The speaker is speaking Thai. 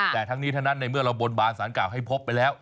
แต่ทั้งนี้ทั้งนั้นในเมื่อเราบนบานสารเก่าให้พบไปแล้ว